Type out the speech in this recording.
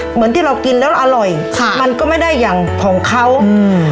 เหมือนที่เรากินแล้วอร่อยค่ะมันก็ไม่ได้อย่างของเขาอืม